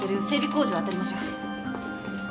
工場をあたりましょう。